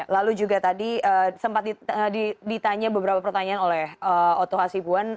lalu juga tadi sempat ditanya beberapa pertanyaan oleh oto hasibuan